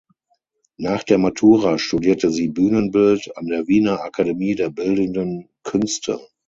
Nach der Matura studierte sie Bühnenbild an der Wiener Akademie der bildenden Künste.